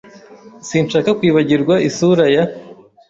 Sinshaka kwibagirwa isura ya .